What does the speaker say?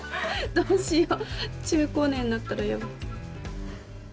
どうしよう中高年になったらやば。